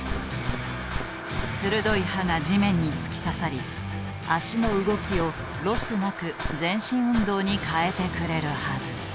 鋭い刃が地面に突き刺さり脚の動きをロスなく前進運動に変えてくれるはず。